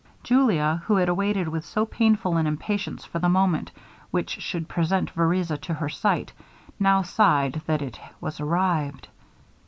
Julia, who had awaited with so painful an impatience for the moment which should present Vereza to her sight, now sighed that it was arrived.